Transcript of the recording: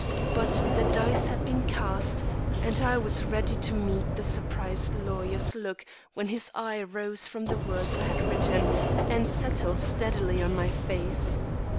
But the die had been cast, and I was ready to meet the surprised lawyer's look when his eye rose from the words I had written and settled steadily on my face.